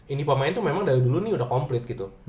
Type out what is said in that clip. ini pemain tuh memang dari dulu nih udah komplit gitu